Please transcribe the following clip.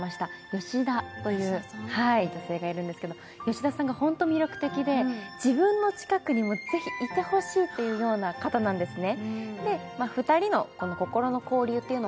ヨシダという女性がいるんですけれども、ヨシダさんが本当に魅力的で、自分の近くにもぜひいてほしいという方なんですね。